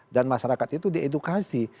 dan masyarakat itu diedukasi